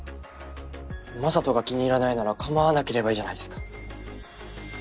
雅人が気に入らないなら構わなければいいじゃないですか。